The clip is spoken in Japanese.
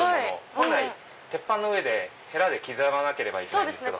本来鉄板の上でヘラで刻まなければいけないけど。